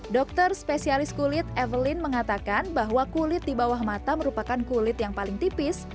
dokter spesialis kulit evelyn mengatakan bahwa kulit di bawah mata merupakan kulit yang paling tipis